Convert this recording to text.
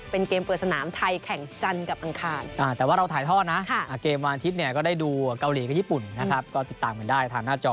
โปรดติดตามตอนต่อไป